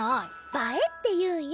「映え」って言うんよ